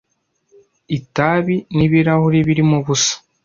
Itabi n'ibirahuri birimo ubusa,